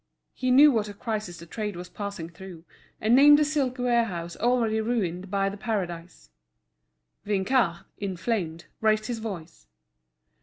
He knew what a crisis the trade was passing through, and named a silk warehouse already ruined by The Paradise. Vinçard, inflamed, raised his voice.